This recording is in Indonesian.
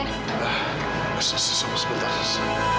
ah sus sus sus sebentar sus